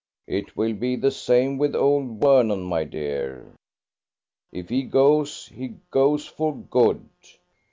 "It will be the same with old Vernon, my dear. If he goes, he goes for good.